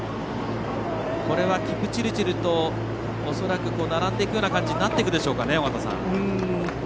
これはキプチルチルと恐らく並んでいくような感じになっていくでしょうかね。